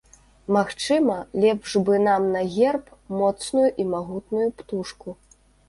Магчыма, лепш бы нам на герб моцную і магутную птушку.